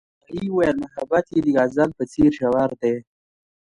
هغې وویل محبت یې د غزل په څېر ژور دی.